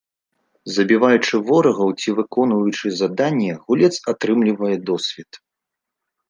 Забіваючы ворагаў ці выконваючы заданні, гулец атрымлівае досвед.